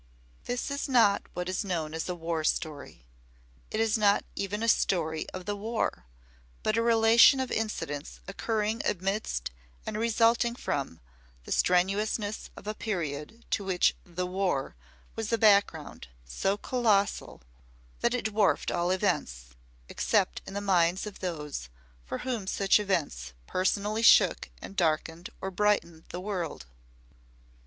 This is not what is known as a "war story." It is not even a story of the War, but a relation of incidents occurring amidst and resulting from the strenuousness of a period to which "the War" was a background so colossal that it dwarfed all events, except in the minds of those for whom such events personally shook and darkened or brightened the world.